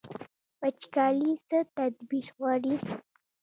وچکالي څه تدبیر غواړي؟